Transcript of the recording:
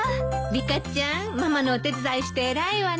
リカちゃんママのお手伝いして偉いわね。